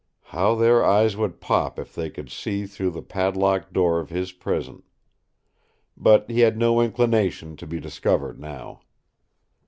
How their eyes would pop if they could see through the padlocked door of his prison! But he had no inclination to be discovered now.